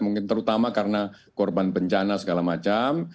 mungkin terutama karena korban bencana segala macam